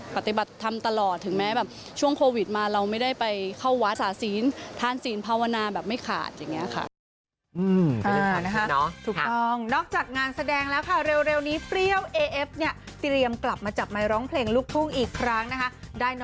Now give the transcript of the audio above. ปฏิบัติธรรมตลอดถึงแม้แบบช่วงโควิดมาเราไม่ได้ไปเข้าวัดสาศีลทานศีลภาวนาแบบไม่ขาดอย่างนี้ค่ะ